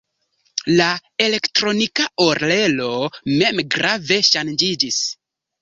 La "Elektronika Orelo" mem grave ŝanĝiĝis.